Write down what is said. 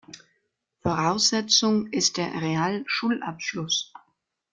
Voraussetzung ist der Realschulabschluss.